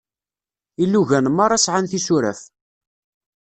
Ilugan merra sεan tisuraf.